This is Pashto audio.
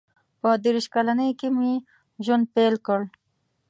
• په دېرش کلنۍ کې مې ژوند پیل کړ.